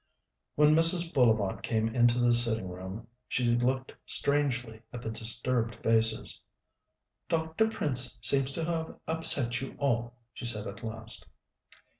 When Mrs. Bullivant came into the sitting room, she looked strangely at the disturbed faces. "Dr. Prince seems to have upset you all," she said at last.